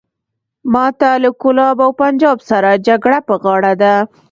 ماته له کولاب او پنجاب سره جګړه په غاړه ده.